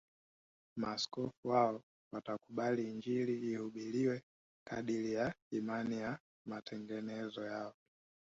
Maaskofu hao watakubali Injili ihubiriwe kadiri ya imani ya matengenezo yao